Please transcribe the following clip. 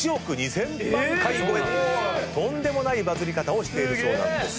とんでもないバズり方をしているそうなんです。